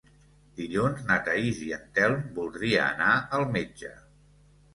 Dilluns na Thaís i en Telm voldria anar al metge.